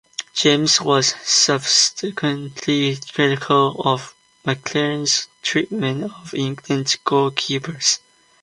James was subsequently critical of McClaren's treatment of England's goalkeepers.